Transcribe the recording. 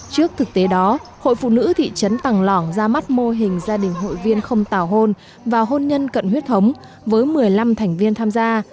trước thực tế đó hội phụ nữ thị trấn tàng lỏng ra mắt mô hình gia đình hội viên không tào hôn và hôn nhân cận huyết thống với một mươi năm thành viên tham gia